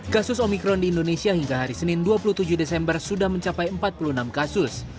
kasus omikron di indonesia hingga hari senin dua puluh tujuh desember sudah mencapai empat puluh enam kasus